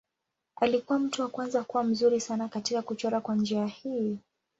Alikuwa mtu wa kwanza kuwa mzuri sana katika kuchora kwa njia hii.